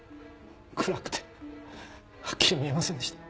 暗くてはっきり見えませんでした。